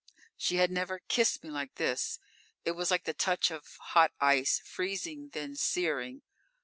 She had never kissed me like this. It was like the touch of hot ice, freezing, then searing.